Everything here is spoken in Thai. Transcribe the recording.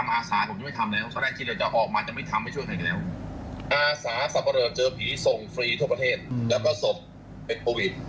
อาศาสมรรยาเจอผีที่ส่งฟรีทั่วประเทศแล้วก็ศพแฟนโควิด